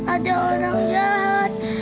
ada orang jahat